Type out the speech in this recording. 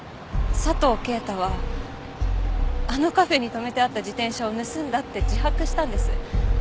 佐藤啓太はあのカフェに止めてあった自転車を盗んだって自白したんです。